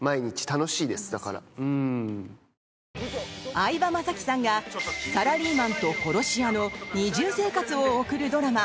相葉雅紀さんがサラリーマンと殺し屋の二重生活を送るドラマ